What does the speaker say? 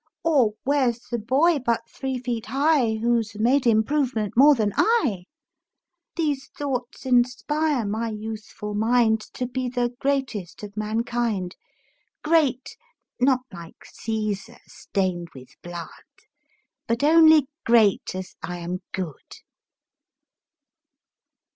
Or where's the boy but three feet high Who's made improvement more than I? These thoughts inspire my youthful mind To be the greatest of mankind: Great, not like Cæsar, stained with blood, But only great as I am good.